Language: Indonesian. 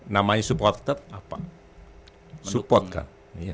namanya supporter apa support kan